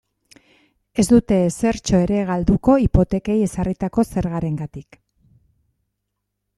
Ez dute ezertxo ere galduko hipotekei ezarritako zergarengatik.